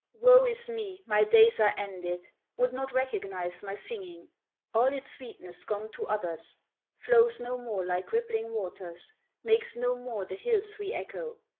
"Woe is me, my days are ended, Would not recognize my singing, All its sweetness gone to others, Flows no more like rippling waters, Makes no more the hills re echo!